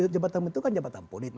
jabatan itu kan jabatan politik